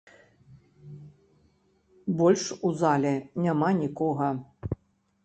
Больш у зале няма нікога!